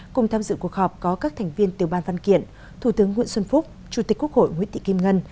cùng tham dự cuộc họp có các thành viên tiểu ban văn kiện thủ tướng nguyễn xuân phúc chủ tịch quốc hội nguyễn tị kim ngân